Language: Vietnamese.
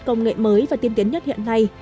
công nghệ mới và tiên tiến nhất hiện nay